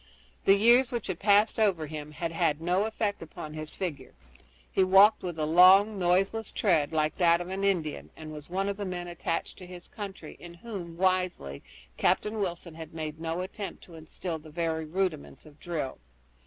The years which had passed over him had had no effect upon his figure. He walked with a long, noiseless tread, like that of an Indian, and was one of the men attached to his company in whom, wisely, Captain Wilson had made no attempt to instill the very rudiments of drill.